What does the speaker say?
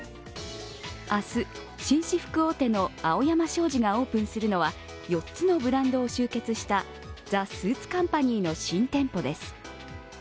明日、紳士服大手の青山商事がオープンするのは４つのブランドを集結した、ＴＨＥＳＵＩＴＣＯＭＰＡＮＹの新店舗です。